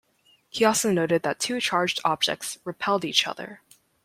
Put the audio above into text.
He also noted that two charged objects repelled each other.